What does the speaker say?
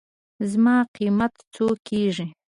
زما قېمت څو کېږي.